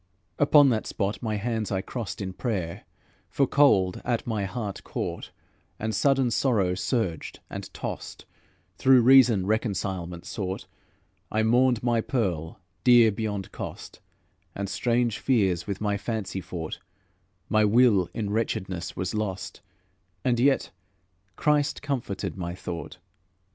Upon that spot my hands I crossed In prayer, for cold at my heart caught, And sudden sorrow surged and tossed, Though reason reconcilement sought. I mourned my pearl, dear beyond cost, And strange fears with my fancy fought; My will in wretchedness was lost, And yet Christ comforted my thought.